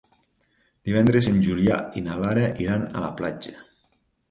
Divendres en Julià i na Lara iran a la platja.